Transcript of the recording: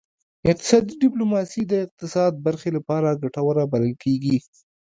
اقتصادي ډیپلوماسي د اقتصاد برخې لپاره ګټوره بلل کیږي